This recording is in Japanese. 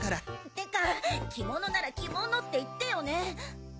ってか着物なら着物って言ってよね！